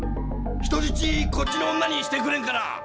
人質こっちの女にしてくれんかな？